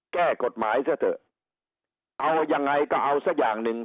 แก้กฎหมายซะเถอะเอายังไงก็เอาซะอย่างหนึ่ง